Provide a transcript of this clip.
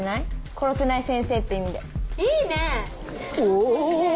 殺せない先生って意味でいいねおお！